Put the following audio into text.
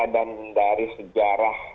dan dari sejarah